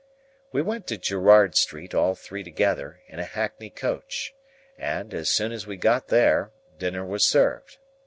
We went to Gerrard Street, all three together, in a hackney coach: And, as soon as we got there, dinner was served.